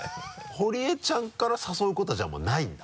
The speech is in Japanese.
堀江ちゃんから誘うことはじゃあもうないんだ？